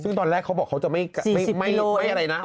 ซึ่งตอนแรกเขาบอกเขาจะไม่สึกด้วยนะ